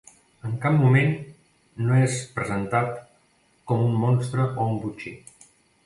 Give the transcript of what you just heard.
En cap moment no és presentat com un monstre o un botxí.